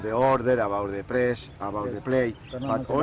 tentang order tentang pres tentang permainan